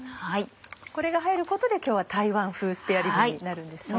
これが入ることで今日は台湾風スペアリブになるんですね。